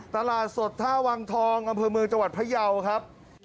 ตลาดสดท่าวังทองอำเภอเมืองจังหวัดพยาวครับ